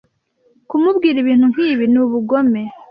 Kumubwira ibintu nkibi ni ubugome.